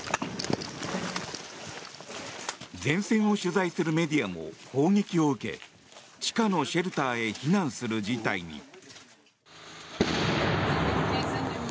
前線を取材するメディアも砲撃を受け地下のシェルターへ避難する事態に。